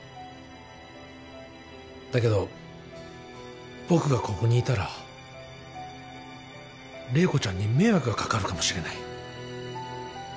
だけど僕がここにいたら麗子ちゃんに迷惑が掛かるかもしれない。